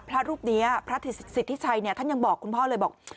พระรูปนี้พระสิทธิชัยท่านยังบอกคุณพ่อเลยบอก